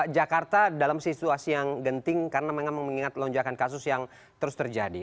jakarta dalam situasi yang genting karena memang mengingat lonjakan kasus yang terus terjadi